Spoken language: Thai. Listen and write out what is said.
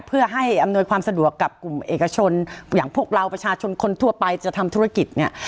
เพื่อให้อำนวยความสะดวกกับกลุ่มเอกชนอย่างพวกเราประชาชนคนทั่วไปจะทำธุรกิจเนี่ย